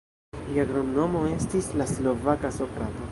Lia kromnomo estis "la slovaka Sokrato".